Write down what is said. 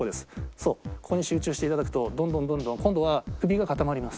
そうここに集中していただくとどんどんどんどん今度は首が固まります。